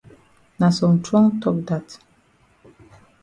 Na some trong tok dat.